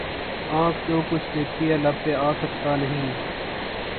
آنکھ جو کچھ دیکھتی ہے لب پہ آ سکتا نہیں